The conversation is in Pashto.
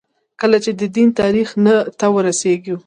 کله چې د دین تاریخ ته وررسېږو.